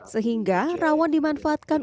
sehingga rawan dimanfaatkan